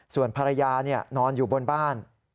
ส่วนภรรยานอนอยู่บนบ้าน